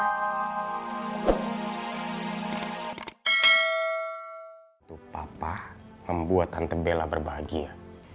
untuk papa membuat tante bela berbahagia